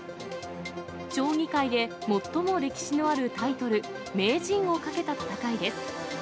将棋界で最も歴史のあるタイトル、名人をかけた戦いです。